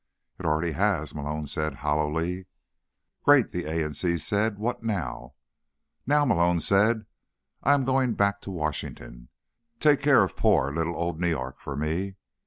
"It already has," Malone said hollowly. "Great," the A in C said. "What now?" "Now," Malone said, "I am going to go back to Washington. Take care of poor little old New York for me."